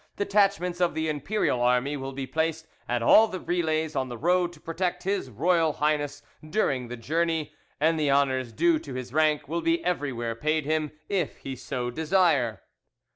Detachments of the Imperial Army will be placed at all the relays on the road to protect His Royal Highness during the journey, and the honours due to his rank will be everywhere paid him, if he so desire.